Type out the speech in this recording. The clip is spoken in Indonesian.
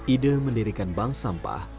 ide mendirikan bank sampah